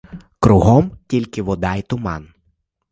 Кругом — тільки вода й туман.